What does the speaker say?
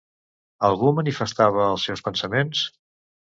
Algú manifestava els seus pensaments?